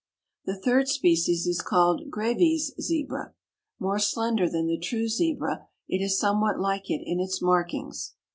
The third species is called Grévy's Zebra. More slender than the true Zebra, it is somewhat like it in its markings.